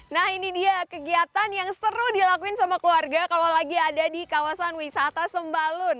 nah ini dia kegiatan yang seru dilakuin sama keluarga kalau lagi ada di kawasan wisata sembalun